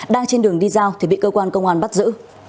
đang trên đường đi giao thì bị cơ quan công an bắt giữ